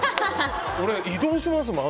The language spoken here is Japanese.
俺、移動しますもん。